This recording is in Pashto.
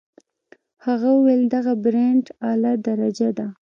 هغه وویل دغه برانډې اعلی درجه ده.